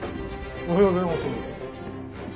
おはようございます。